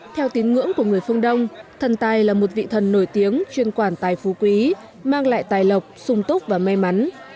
theo tín ngưỡng của người phương đông thần tài là một vị thần nổi tiếng chuyên quản tài phú quý mang lại tài lộc sung túc và may mắn